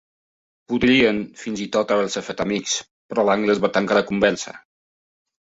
Podrien fins i tot haver-se fet amics, però l'anglès va tancar la conversa.